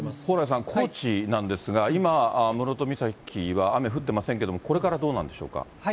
蓬莱さん、高知なんですが、今、室戸岬は雨降ってませんけれども、これからどうなんでしょうか。